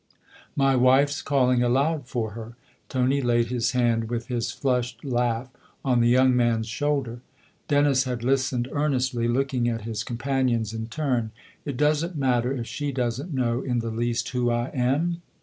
" My wife's calling aloud for her !'' Tony laid his hand, with his flushed laugh, on the young man's shoulder. Dennis had listened earnestly, looking at his com panions in turn. " It doesn't matter if she doesn't know in the least who I am